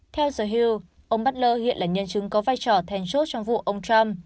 theo the hill ông butler hiện là nhân chứng có vai trò thèn sốt trong vụ ông trump